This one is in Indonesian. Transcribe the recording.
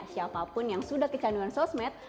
siapapun yang sudah kekandungan sosmed